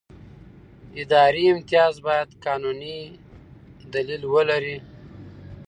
اداري امتیاز باید قانوني دلیل ولري.